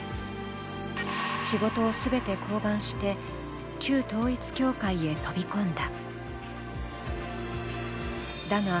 仕事を全て降板して、旧統一教会へ飛び込んだ。